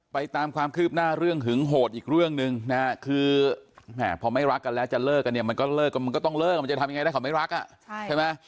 ตามความคืบหน้าเรื่องหึงโหดอีกเรื่องหนึ่งนะฮะคือพอไม่รักกันแล้วจะเลิกกันเนี่ยมันก็เลิกกันมันก็ต้องเลิกมันจะทำยังไงได้เขาไม่รักอ่ะใช่ไหม